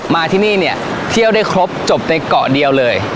มาที่นี่เนี่ยเที่ยวได้ครบจบในเกาะเดียวเลย